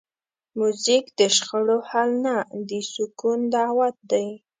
موزیک د شخړو حل نه، د سکون دعوت دی.